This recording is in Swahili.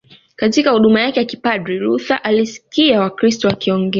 Katika huduma yake ya kipadri Luther alisikia Wakristo wakiongea